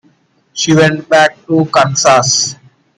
She went back to Kansas.